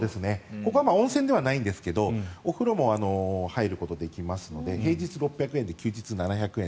ここは温泉ではないんですがお風呂も入ることができるので平日６００円で休日７００円。